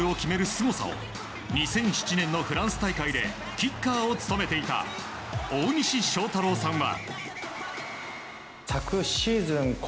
すごさを２００７年のフランス大会でキッカーを務めていた大西将太郎さんは。